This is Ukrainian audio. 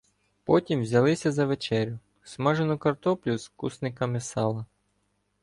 Потім взялися за вечерю — смажену картоплю з кусниками сала.